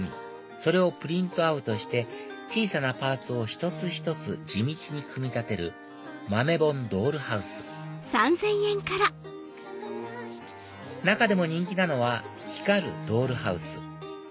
それをプリントアウトして小さなパーツを一つ一つ地道に組み立てる豆本ドールハウス中でも人気なのは光るドールハウス